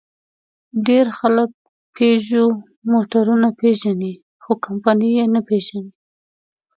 ډېر خلک پيژو موټرونه پېژني؛ خو کمپنۍ یې نه پېژني.